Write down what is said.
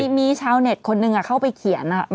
มีชาวเน็ตคนหนึ่งเข้าไปเขียน